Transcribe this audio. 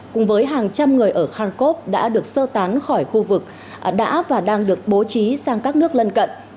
cùng với hàng trăm người ở khankov đã được sơ tán khỏi khu vực đã và đang được bố trí sang các nước lân cận